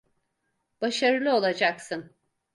Başarılı olacaksın.